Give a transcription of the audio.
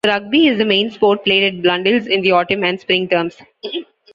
Rugby is the main sport played at Blundell's in the Autumn and Spring terms.